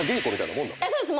そうです。